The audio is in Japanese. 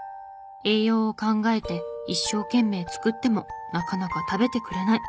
栄養を考えて一生懸命作ってもなかなか食べてくれない。